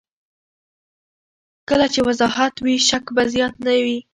کله چې وضاحت وي، شک به زیات نه شي.